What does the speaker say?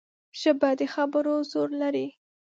ژبه د خبرو زور لري